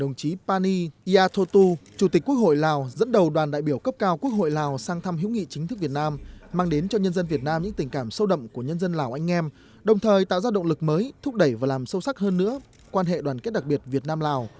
đồng chí pani yathotu chủ tịch quốc hội lào dẫn đầu đoàn đại biểu cấp cao quốc hội lào sang thăm hữu nghị chính thức việt nam mang đến cho nhân dân việt nam những tình cảm sâu đậm của nhân dân lào anh em đồng thời tạo ra động lực mới thúc đẩy và làm sâu sắc hơn nữa quan hệ đoàn kết đặc biệt việt nam lào